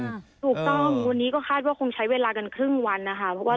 ถูกต้องวันนี้ก็คาดว่าคงใช้เวลากันครึ่งวันนะคะเพราะว่า